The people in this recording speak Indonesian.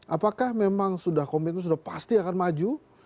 apakah memang sudah komitmen sudah pasti akan maju